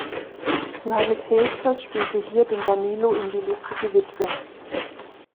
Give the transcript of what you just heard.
Johannes Heesters spielte hier den Danilo in "Die lustige Witwe".